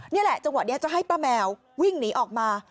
นี่แหละจังหวะนี้จะให้ป้าแมววิ่งหนีออกมา